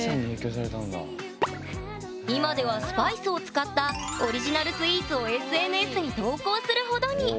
今ではスパイスを使ったオリジナルスイーツをＳＮＳに投稿するほどに！